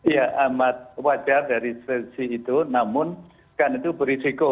ya amat wajar dari situ namun kan itu berisiko